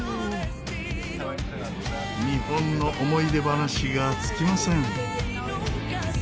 日本の思い出話が尽きません。